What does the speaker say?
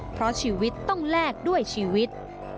เพราะชีวิตต้องแลกด้วยชีวิต